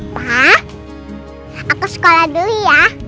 pak aku sekolah dulu ya